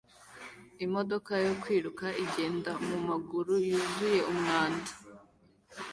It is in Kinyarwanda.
Imodoka yo kwiruka igenda mumaguru yuzuye umwanda